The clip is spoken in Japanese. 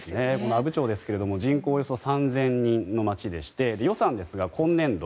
阿武町ですが人口およそ３０００人の町でして予算ですが今年度